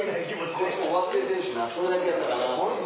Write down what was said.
こっちも忘れてるしなそれだけやったかな？って。